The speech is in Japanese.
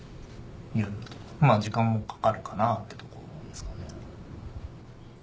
まぁ時間もかかるかなってところですかね。